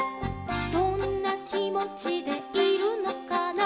「どんなきもちでいるのかな」